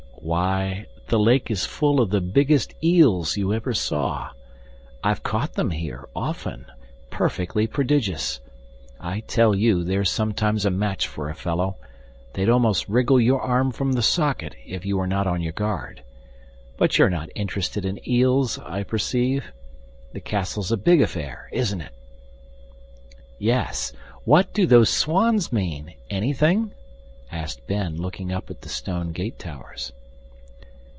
"Why, the lake is full of the biggest eels you ever saw. I've caught them here, often perfectly prodigious! I tell you they're sometimes a match for a fellow; they'd almost wriggle your arm from the socket if you were not on your guard. But you're not interested in eels, I perceive. The castle's a big affair, isn't it?" "Yes. What do those swans mean? Anything?" asked Ben, looking up at the stone gate towers.